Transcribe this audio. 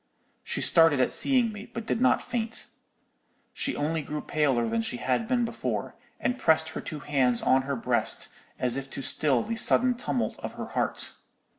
"She started at seeing me, but did not faint. She only grew paler than she had been before, and pressed her two hands on her breast, as if to still the sudden tumult of her heart.